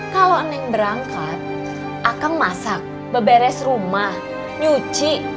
kalau neng berangkat akang masak beberes rumah nyuci